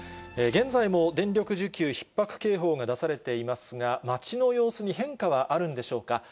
現在も電力需給ひっ迫警報が出されていますが、街の様子に変化はあるんでしょうか。